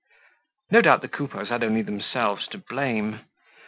No doubt the Coupeaus had only themselves to blame.